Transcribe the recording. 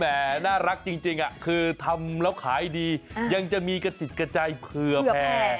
น่ารักจริงคือทำแล้วขายดียังจะมีกระจิตกระใจเผื่อแผ่